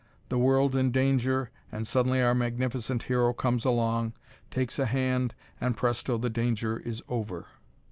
The world in danger and suddenly our magnificent hero comes along, takes a hand, and presto the danger is all over.